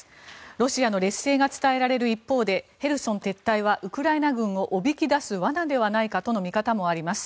ロシアの劣勢が伝えられる一方でヘルソン撤退はウクライナ軍をおびき出す罠ではないかとの見方もあります。